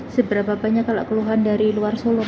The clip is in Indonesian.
seberapa banyak kalau keluhan dari luar solo